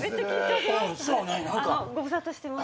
ご無沙汰してます。